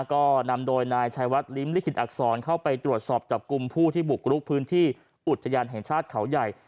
ก็นำโดยนายชายวัดลิ้มลิขิตอักษรเข้าไปตรวจสอบจับกลุ่มผู้ที่บุกรุกพื้นที่อุทยานแห่งชาติเขาใหญ่